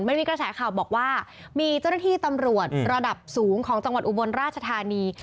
มันมีกระแสข่าวบอกว่ามีเจ้าหน้าที่ตำรวจระดับสูงของจังหวัดอุบลราชธานี